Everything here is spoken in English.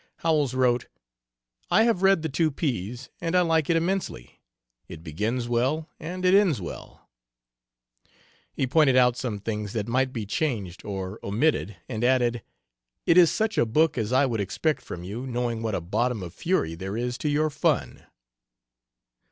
Howells wrote: "I have read the two P's and I like it immensely, it begins well and it ends well." He pointed out some things that might be changed or omitted, and added: "It is such a book as I would expect from you, knowing what a bottom of fury there is to your fun."